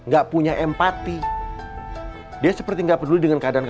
lo nya juga sih kebangetan